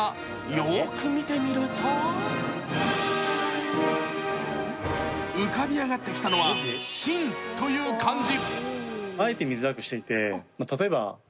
よーく見てみると浮かび上がってきたのは「信」という漢字。